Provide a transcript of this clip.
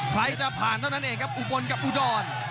ใครจะผ่านเท่านั้นเองครับอุบลกับอุดร